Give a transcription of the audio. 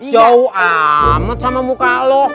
jauh amat sama muka lo